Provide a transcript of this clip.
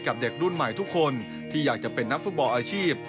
เด็กรุ่นใหม่ทุกคนที่อยากจะเป็นนักฟุตบอลอาชีพ